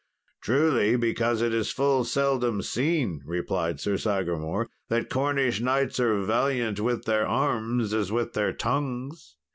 "Truly, because it is full seldom seen," replied Sir Sagramour, "that Cornish knights are valiant with their arms as with their tongues.